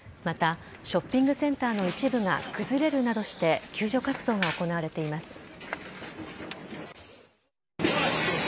またショッピングセンターの一部が崩れるなどして、救助活動が行われています。